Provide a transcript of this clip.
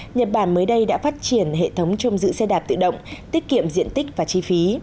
nhật bản mới đây đã phát triển hệ thống trông giữ xe đạp tự động tiết kiệm diện tích và chi phí